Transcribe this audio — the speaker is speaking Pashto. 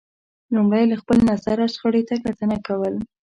لمړی له خپل نظره شخړې ته کتنه کول